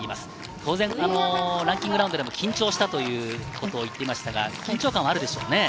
当然、ランキングラウンドでも緊張したということを言っていましたが、緊張感はあるでしょうね。